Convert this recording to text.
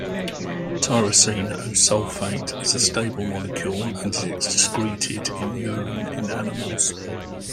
Tyrosine O-sulfate is a stable molecule and is excreted in urine in animals.